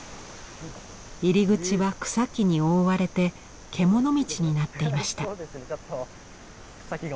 入り口は草木に覆われて獣道になっていました。